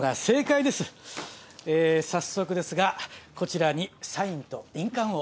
え早速ですがこちらにサインと印鑑を。